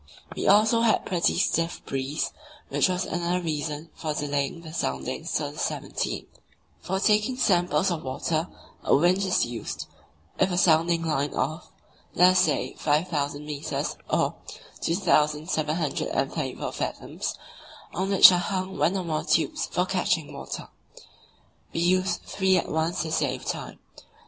We also had a pretty stiff breeze, which was another reason for delaying the soundings until the 17th. For taking samples of water a winch is used, with a sounding line of, let us say, 5,000 metres (2,734 fathoms), on which are hung one or more tubes for catching water; we used three at once to save time.